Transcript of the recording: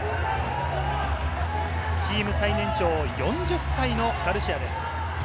チーム最年長、４０歳のガルシアです。